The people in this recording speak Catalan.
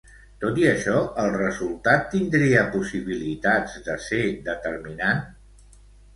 Tot i això, el resultat tindria possibilitats de ser determinant?